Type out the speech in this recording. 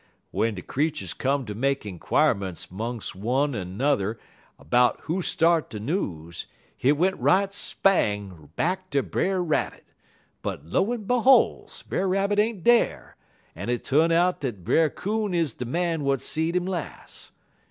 "Wen de creeturs come ter make inquirements 'mungs one er n'er 'bout who start de news, hit went right spang back ter Brer Rabbit, but, lo en beholes! Brer Rabbit ain't dar, en it tu'n out dat Brer Coon is de man w'at seed 'im las'.